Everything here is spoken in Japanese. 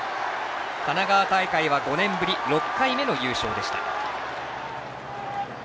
神奈川大会は５年ぶり６回目の優勝でした。